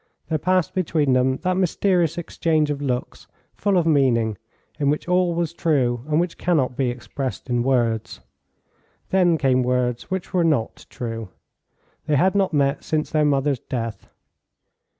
There passed between them that mysterious exchange of looks, full of meaning, in which all was true, and which cannot be expressed in words. Then came words which were not true. They had not met since their mother's death.